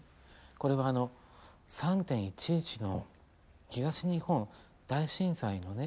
これはあの３．１１の東日本大震災のね